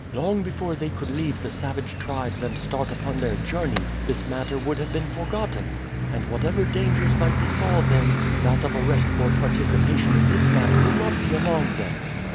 Long before they could leave the savage tribes and start upon their journey this matter would have been forgotten, and whatever dangers might befall them, that of arrest for participation in this matter would not be among them.